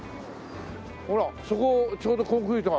ほらそこをちょうどコンクリートが。